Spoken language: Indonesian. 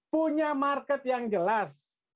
punya market yang jelas